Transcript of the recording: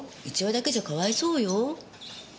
１羽だけじゃかわいそうよ。